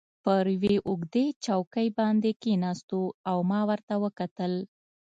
پر یوې اوږدې چوکۍ باندې کښېناستو او ما ورته وکتل.